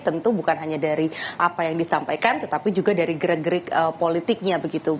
tentu bukan hanya dari apa yang disampaikan tetapi juga dari gerek gerik politiknya begitu